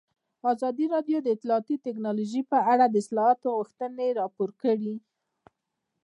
ازادي راډیو د اطلاعاتی تکنالوژي په اړه د اصلاحاتو غوښتنې راپور کړې.